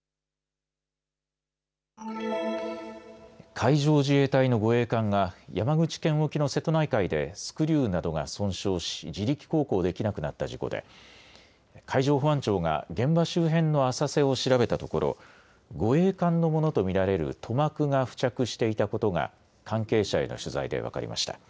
海上自衛隊の護衛艦が山口県沖の瀬戸内海でスクリューなどが損傷し自力航行できなくなった事故で海上保安庁が現場周辺の浅瀬を調べたところ護衛艦のものと見られる塗膜が付着していたことが関係者への取材で分かりました。